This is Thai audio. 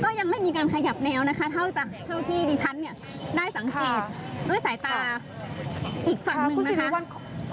ก็ยังไม่มีการขยับแนวนะคะเท่าที่ดิฉันเนี่ยได้สังเกตด้วยสายตาอีกฝั่งหนึ่งนะคะ